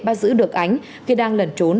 bắt giữ được ánh khi đang lẩn trốn